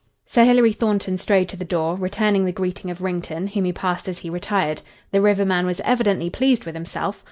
Sir Hilary Thornton strode to the door, returning the greeting of Wrington, whom he passed as he retired. The river man was evidently pleased with himself.